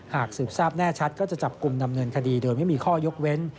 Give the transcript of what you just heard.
หากสืบทราบแน่ชัดก็จะจับกลุ่มดำเนินคดีโดยไม่มีข้อยกเว้น